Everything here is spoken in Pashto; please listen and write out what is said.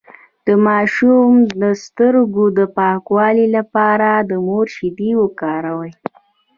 د ماشوم د سترګو د پاکوالي لپاره د مور شیدې وکاروئ